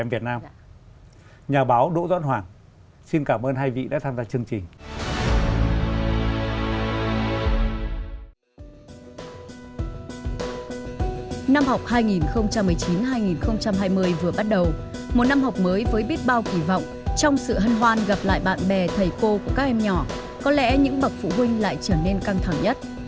một năm học mới với biết bao kỳ vọng trong sự hân hoan gặp lại bạn bè thầy cô của các em nhỏ có lẽ những bậc phụ huynh lại trở nên căng thẳng nhất